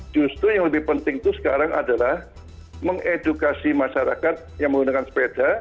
justru yang lebih penting itu sekarang adalah mengedukasi masyarakat yang menggunakan sepeda